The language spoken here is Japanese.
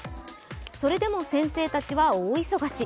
それでも先生たちは大忙し。